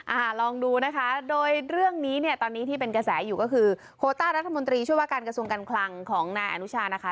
ลองดูนะคะโดยเรื่องนี้เนี่ยตอนนี้ที่เป็นกระแสอยู่ก็คือโคต้ารัฐมนตรีช่วยว่าการกระทรวงการคลังของนายอนุชานะคะ